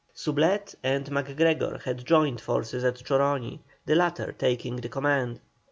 Soublette and MacGregor had joined forces at Choroni, the latter taking the command.